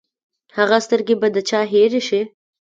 هغه سترګې به د چا هېرې شي!